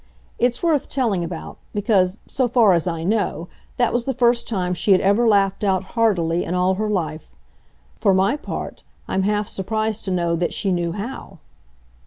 It's worth telling about, because, so far as I know, that was the first time she had ever laughed out heartily in all her life. For my part, I'm half surprised to know that she knew how.